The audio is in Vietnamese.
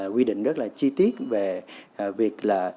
quy định rất là chi tiết về việc là